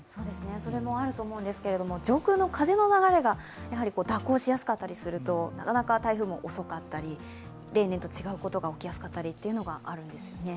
それもあると思うんですが、上空の風の流れが蛇行しやすかったりすると、台風も遅かったり例年と違うことが起きやすかったりということがあるんですよね。